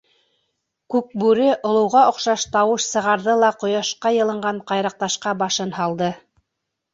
Күкбүре олоуға оҡшаш тауыш сығарҙы ла ҡояшҡа йылынған ҡайраҡташҡа башын һалды.